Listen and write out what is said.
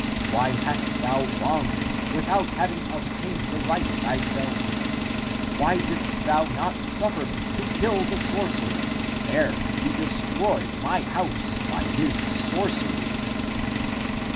Why hast thou wronged me with out having obtained the right thyself? Why didst thou not suffer me to kill the sorcerer, ere he de stroyed my house by his sorcery?